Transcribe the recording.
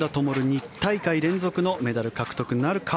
２大会連続のメダル獲得なるか。